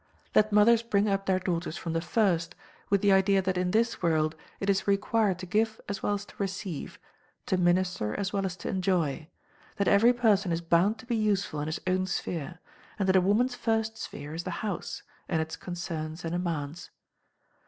Let mothers bring up their daughters from the first with the idea that in this world it is required to give as well as to receive, to minister as well as to enjoy; that every person is bound to be useful in his own sphere, and that a woman's first sphere is the house, and its concerns and demands.